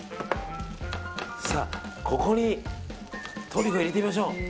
ここにトリュフを入れてみましょう。